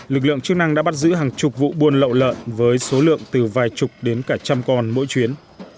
lực lượng chức năng đã bắt giữ hàng chục vụ buôn lậu lợn với số lượng từ vài chục đến cả trăm con mỗi chuyến